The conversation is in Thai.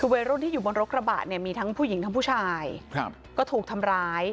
คือวัยรุ่นที่อยู่บนรถกระบะเนี่ยมีทั้งผู้หญิงทั้งผู้ชายก็ถูกทำร้าย